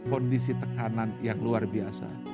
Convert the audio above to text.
untuk menjaga kondisi tekanan yang luar biasa